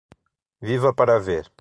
Viva para ver